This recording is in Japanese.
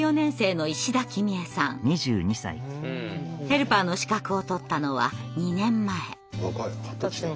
ヘルパーの資格を取ったのは２年前。